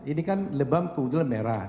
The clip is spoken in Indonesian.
ini kan lebam kemudian merah